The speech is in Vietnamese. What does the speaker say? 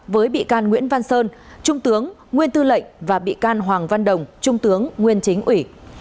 với bị can nguyễn văn sơn trung tướng nguyên tư lệnh và bị can hoàng văn đồng trung tướng nguyên chính ủy